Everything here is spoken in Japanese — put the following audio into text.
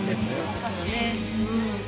私はね